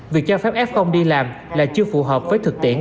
việc cho phép f đi làm là chưa phù hợp với thực tiễn